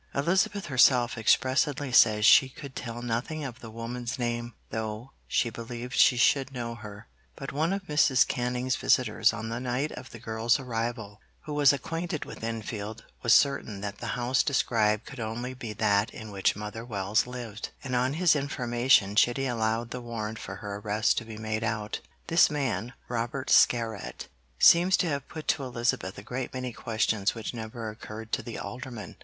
Elizabeth herself expressly says she 'could tell nothing of the woman's name,' though 'she believed she should know her;' but one of Mrs. Canning's visitors on the night of the girl's arrival, who was acquainted with Enfield, was certain that the house described could only be that in which Mother Wells lived, and on his information Chitty allowed the warrant for her arrest to be made out. This man, Robert Scarrat, seems to have put to Elizabeth a great many questions which never occurred to the Alderman.